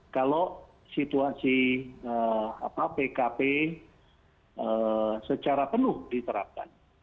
kalau situasi pkp secara penuh diterapkan